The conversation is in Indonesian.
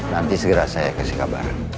nanti segera saya kasih kabar